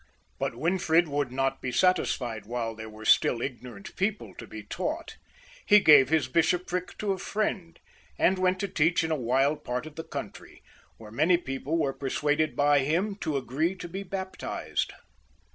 But Winfrid would not be satisfied whue there were still ignorant people to be taught ; he gave his bishopric to a friend, and went to teach in a wild D 34 THE CARLO VINGIANS. [CH. part of the country, where many people were persuaded by him to agree to be baptized.